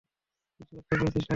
কিছু দেখতে পেয়েছিস নাকি?